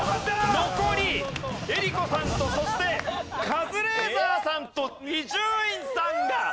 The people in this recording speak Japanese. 残り江里子さんとそしてカズレーザーさんと伊集院さんが落第！